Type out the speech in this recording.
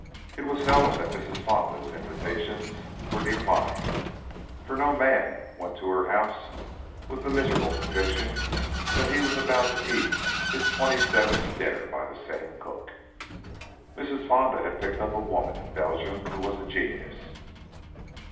It was seldom that Mrs. Fonda's invitations were declined, for no man went to her house with the miserable conviction that he was about to eat his twenty seventh dinner by the same cook. Mrs. Fonda had picked up a woman in Belgium who was a genius.